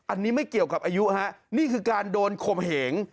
อันนี้ไม่เกี่ยวกับอายุฮะนี่คือการโดนข่มเหง